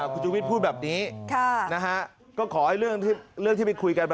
คุณชูวิทย์พูดแบบนี้นะฮะก็ขอเรื่องที่ไปคุยกัน